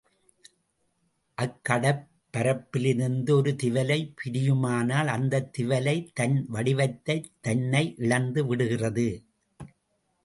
அக்கடற்பரப்பிலிருந்து ஒரு திவலை பிரியுமானால் அந்தத் திவலை தன் வடிவத்தைதன்னை இழந்து விடுகிறது.